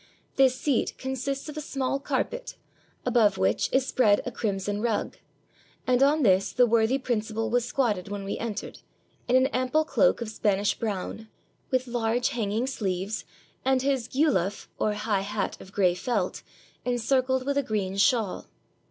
This seat consists of a small car pet, above which is spread a crimson rug; and on this the worthy principal was squatted when we entered, in an ample cloak of Spanish brown, with large hanging sleeves, and his geulaf, or high hat of gray felt, encircled with a green shawl.